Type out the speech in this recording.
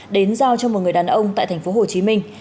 đến giao cho một người đàn ông tại thành phố hồ chí minh